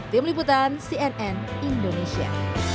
tim liputan cnn indonesia